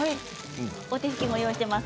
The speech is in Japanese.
お手拭きも用意しています